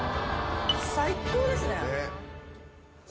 最高ですね。